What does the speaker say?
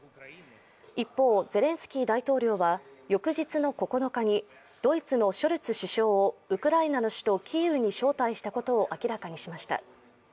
一方、ゼレンスキー大統領は翌日の９日にドイツのショルツ首相をウクライナの首都キーウに招待したことを明らかにしました。